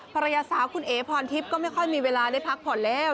ภรรยาสาวคุณเอ๋พรทิพย์ก็ไม่ค่อยมีเวลาได้พักผ่อนแล้ว